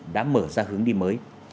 đã mở ra hướng đi mới